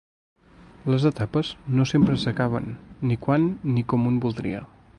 Les etapes no sempre s'acaben ni quan ni com un voldria.